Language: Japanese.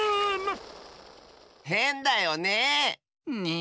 へんだよね。